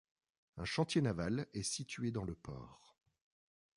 Un chantier naval est situé dans le port.